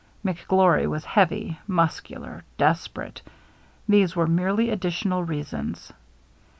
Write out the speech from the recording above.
McGlory was heavy, muscular, desperate — these were merely additional reasons.